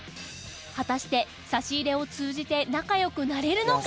果たして差し入れを通じて仲良くなれるのか？